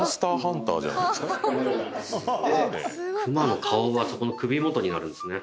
熊の顔はそこの首元にあるんですね。